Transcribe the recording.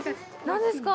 何ですか？